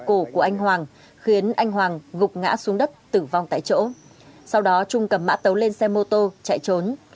cổ của anh hoàng khiến anh hoàng gục ngã xuống đất tử vong tại chỗ sau đó trung cầm mã tấu lên xe mô tô chạy trốn